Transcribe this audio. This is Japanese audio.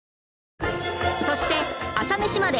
そして『朝メシまで。』